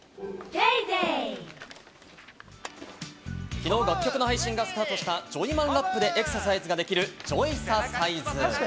きのう楽曲の配信がスタートしたジョイマンラップでエクササイズができる『ジョイササイズ』。